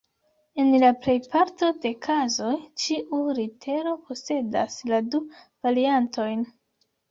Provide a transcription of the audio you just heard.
En la plej parto de kazoj, ĉiu litero posedas la du variantojn.